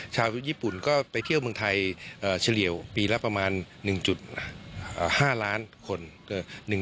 ญี่ปุ่นก็ไปเที่ยวเมืองไทยเฉลี่ยวปีละประมาณ๑๕ล้านคน